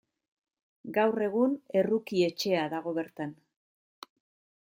Gaur egun Erruki Etxea dago bertan.